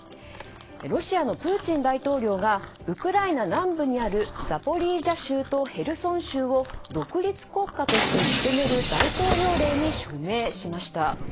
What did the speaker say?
ロシアのプーチン大統領がウクライナ南部にあるザポリージャ州とヘルソン州を独立国家として認める大統領令に署名しました。